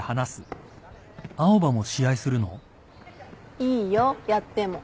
いいよやっても。